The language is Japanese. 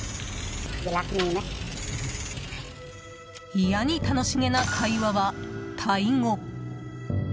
いやに楽し気な会話は、タイ語。